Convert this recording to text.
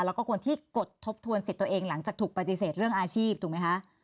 แล้วก็คนที่กดทบทวนสิทธิ์ตัวเองหลังจากถูกปฏิเสธเรื่องอาชีพถูกไหมคะ